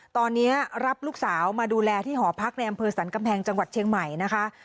ตอนนี้รับลูกสาวมาดูแลที่หอพักในอำเภอสรรกำแพงจังหวัดเชียงใหม่นะคะ